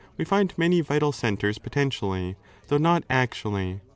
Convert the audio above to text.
we find many vital centres potentially, though not 4 actually.